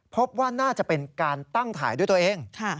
พบว่าน่าจะเป็นการตั้งถ่ายด้วยตัวเอง